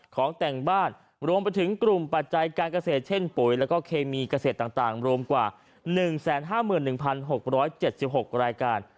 ของแต่งบ้านรวมไปถึงกลุ่มปัจจัยการเกษตรเช่นปุ๋ยแล้วก็เคมีเกษตรต่างต่างรวมกว่าหนึ่งแสนห้าหมื่นหนึ่งพันหกร้อยเจ็ดสิบหกรายการ